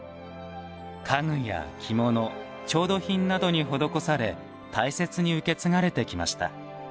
家具や着物、調度品などに施され大切に受け継がれてきました。